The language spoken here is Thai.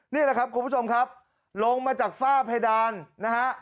นี่แหละครับคุณผู้ชมครับลงมาจากฝ้าเพดานนะฮะ